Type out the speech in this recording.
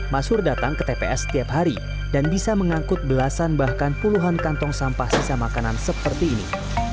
mas hur datang ke tps setiap hari dan bisa mengangkut belasan bahkan puluhan kantong sampah sisa makanan seperti ini